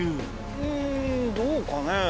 ・うんどうかね？